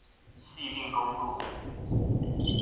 汐碇公路